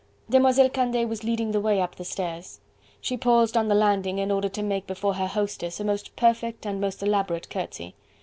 Demoiselle Candeille was leading the way up the stairs. She paused on the landing in order to make before her hostess a most perfect and most elaborate curtsey.